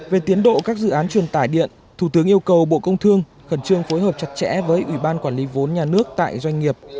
về tiến độ các dự án truyền tải điện thủ tướng yêu cầu bộ công thương khẩn trương phối hợp chặt chẽ với ủy ban quản lý vốn nhà nước tại doanh nghiệp